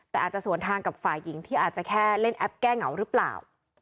แต่อาจจะสวนทางกับฝ่ายหญิงที่อาจจะแค่เล่นแอปแก้เหงาหรือเปล่า